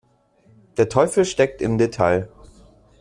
Der Teufel steckt im Detail.